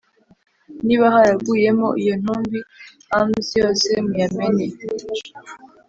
niba haraguyemo iyo ntumbi amzi yose muyamene